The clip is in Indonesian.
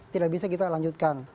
tidak bisa kita lanjutkan